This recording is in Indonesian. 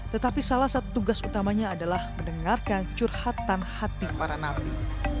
tetapi salah satu tugas utamanya adalah mendengarkan curhatan hati para nabi